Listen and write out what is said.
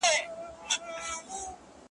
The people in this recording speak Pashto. چي پرون مي وه لیدلې آشیانه هغسي نه ده ,